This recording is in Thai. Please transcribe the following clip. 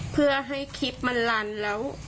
เพื่อให้คลิปมันลันแล้ว